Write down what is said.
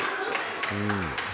うん。